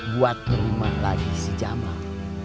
buat nerima lagi si jamal